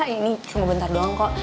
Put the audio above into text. ini semua bentar doang kok